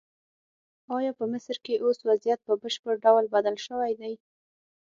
ایا په مصر کې اوس وضعیت په بشپړ ډول بدل شوی دی؟